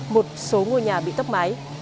một số ngôi nhà bị tấp máy